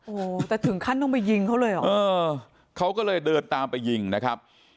โอ้โหแต่ถึงขั้นต้องไปยิงเขาเลยเหรอเออเขาก็เลยเดินตามไปยิงนะครับ